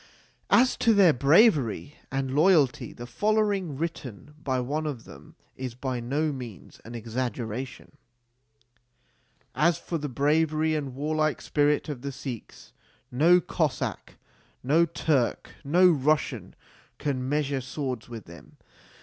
As to their bravery and loyalty, the following, written by one of them, is by no means an exaggeration : As for the bravery and warlike spirit of the Sikhs, no Cossack, no Turk, no Russian, can measure swords with them.